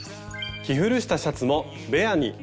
着古したシャツもベアに。